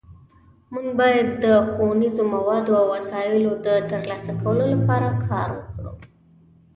مونږ باید د ښوونیزو موادو او وسایلو د ترلاسه کولو لپاره کار وکړو